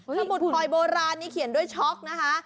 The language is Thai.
สมุดคอยโบราณนี้เขียนด้วยช็อกนะคะ